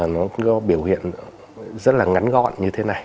nó biểu hiện rất là ngắn gọn như thế này